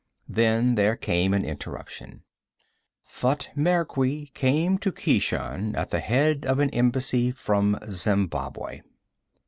Then there came an interruption. Thutmekri came to Keshan at the head of an embassy from Zembabwei.